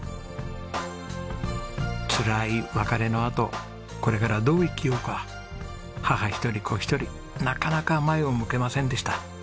つらい別れのあとこれからどう生きようか母一人子一人なかなか前を向けませんでした。